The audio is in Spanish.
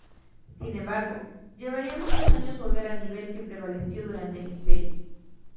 Sin embargo, llevaría muchos años volver al nivel que prevaleció durante el Imperio.